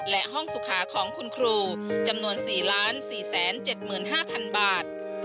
และห้องสุขาของคุณครูจำนวน๔๔๗๕๐๐๐บาท